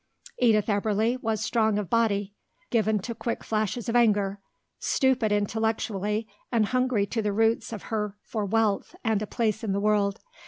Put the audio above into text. Edith Eberly was strong of body, given to quick flashes of anger, stupid intellectually and hungry to the roots of her for wealth and a place in the world.